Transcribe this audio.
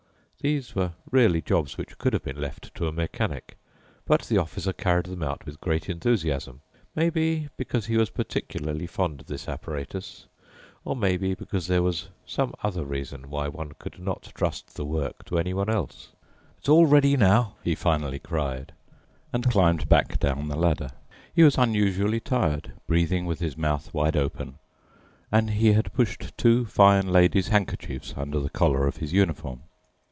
These were really jobs which could have been left to a mechanic, but the Officer carried them out with great enthusiasm, maybe because he was particularly fond of this apparatus or maybe because there was some other reason why one could not trust the work to anyone else. "It's all ready now!" he finally cried and climbed back down the ladder. He was unusually tired, breathing with his mouth wide open, and he had pushed two fine lady's handkerchiefs under the collar of his uniform.